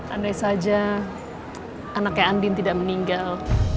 andai saja anaknya andin tidak meninggal